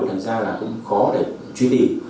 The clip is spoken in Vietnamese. thành ra là không khó để truy tìm